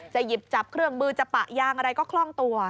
หยิบจับเครื่องมือจะปะยางอะไรก็คล่องตัว